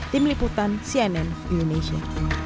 tim liputan cnn indonesia